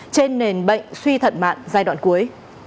trên nền bệnh suy thận mạng giai đoạn cuối